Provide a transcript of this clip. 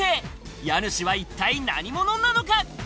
家主は一体何者なのか？